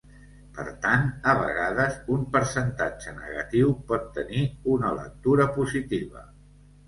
Per tant, a vegades un percentatge negatiu pot tenir una lectura positiva.